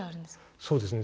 そうですね